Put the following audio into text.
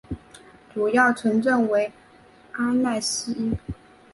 主要城镇为阿讷西。